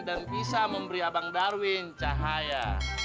dan bisa memberi abang darwin cahaya